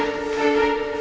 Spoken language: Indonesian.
aku akan menjaga dia